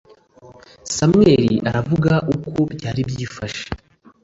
samweli aravuga uko byari byifashe